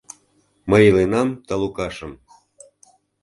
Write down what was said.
Мый иленам талукашым